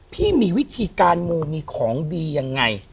พี่มีวิธีการมูมีของดียังไง